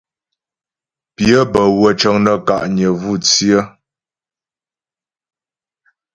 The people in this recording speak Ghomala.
Pyə́ bə́wə́ cəŋ nə́ ka'nyə vú tsyə.